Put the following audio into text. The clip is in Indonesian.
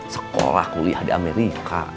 sekolah kuliah di amerika